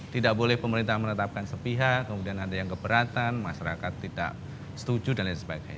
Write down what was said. tidak boleh pemerintah menetapkan sepihak kemudian ada yang keberatan masyarakat tidak setuju dan lain sebagainya